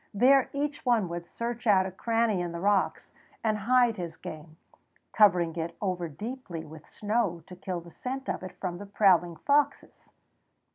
There each one would search out a cranny in the rocks and hide his game, covering it over deeply with snow to kill the scent of it from the prowling foxes.